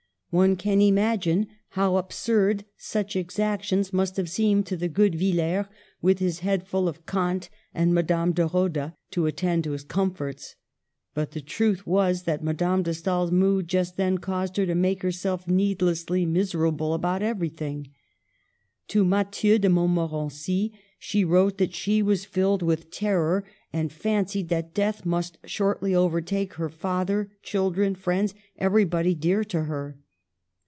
One can imagine how absurd such exac tions must have seemed to the good Villers, with his head full of Kant and Madame de Rodde to attend to his comforts ; but the truth was that Madame de Stael's mood just then caused her to make herself needlessly miserable about every thing. To Mathieu de Montmorency she wrote that she was filled with terror, and fancied that death must shortly overtake her father, children, friends, everybody dear to her.